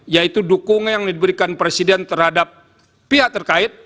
yaitu dukungan yang diberikan presiden terhadap pihak terkait